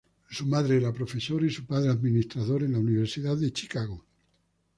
Su madre era profesora y su padre administrador en la Universidad de Chicago.